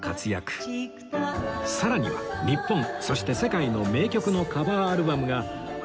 さらには日本そして世界の名曲のカバーアルバムが ｉＴｕｎｅｓ